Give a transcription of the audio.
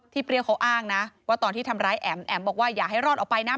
เปรี้ยวเขาอ้างนะว่าตอนที่ทำร้ายแอ๋มแอ๋มบอกว่าอย่าให้รอดออกไปนะ